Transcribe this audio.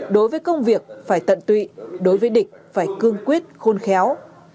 đối với công việc phải tận tụy đối với địch phải cương quyết khôn khéo